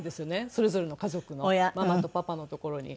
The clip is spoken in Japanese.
それぞれの家族のママとパパの所に。